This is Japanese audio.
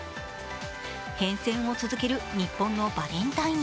変遷を続ける日本のバレンタイン。